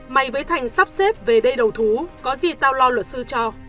mày với thành sắp xếp về đây đầu thú có gì ta lo luật sư cho